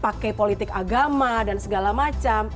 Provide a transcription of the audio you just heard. pakai politik agama dan segala macam